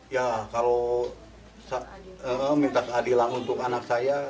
ya kalau minta keadilan untuk anak saya